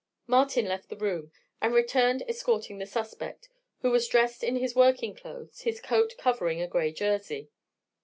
Martin left the room, and returned escorting the suspect, who was dressed in his working clothes, his coat covering a gray jersey.